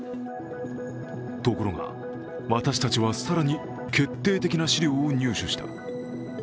ところが、私たちは更に決定的な資料を入手した。